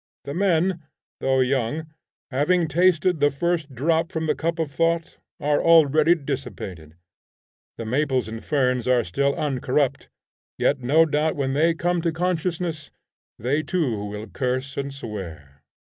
The men, though young, having tasted the first drop from the cup of thought, are already dissipated: the maples and ferns are still uncorrupt; yet no doubt when they come to consciousness they too will curse and swear.